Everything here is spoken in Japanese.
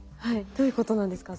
どういうことなんですか？